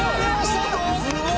すごい！